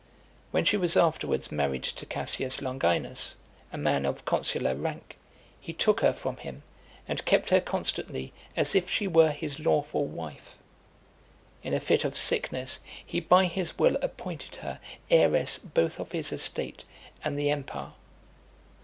When she was afterwards married to Cassius Longinus, a man of consular rank, he took her from him, and kept her constantly as if she were his lawful wife. In a fit of sickness, he by his will appointed her heiress both of his estate and the empire.